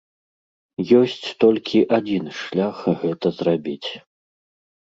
Ёсць толькі адзін шлях гэта зрабіць.